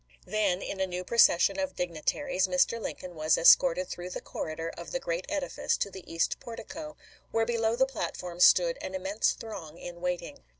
Then in a new procession of dignitaries Mr. Lincoln was escorted through the corridor of the great edifice to the east portico, where below the platform stood an immense throng in waiting.